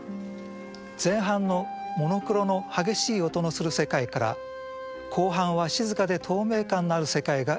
前半のモノクロの激しい音のする世界から後半は静かで透明感のある世界が描かれます。